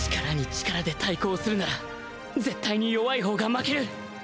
力に力で対抗するなら絶対に弱い方が負ける